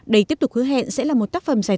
đấy tiếp tục hứa hẹn sẽ là một tác phẩm dài